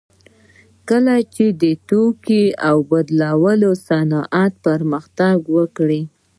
کله چې د ټوکر اوبدلو صنعت پرمختګ وکړ